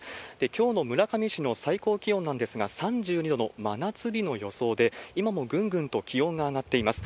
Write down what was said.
きょうの村上市の最高気温なんですが、３２度の真夏日の予想で、今もぐんぐんと気温が上がっています。